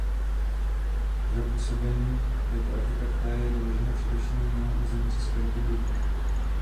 Jeho působení jako architekta je doloženo především mimo území České republiky.